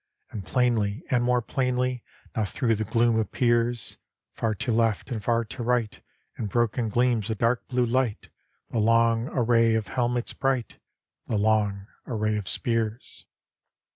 And plainly and more plainly Now through the gloom appears, Far to left and far to right, In broken gleams of dark blue light The long array of helmets bright, The long array of spears.